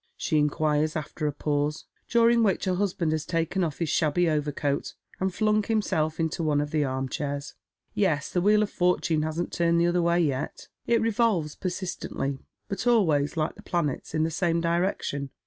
she inquires, after a pause, during which her husband has taken off his shabby overcoat, and flung himself into one of the arm chairs. " Yes, the wheel of fortune hasn't turned the other way yet It revolves persistently, but always — like the planets — in the game direction.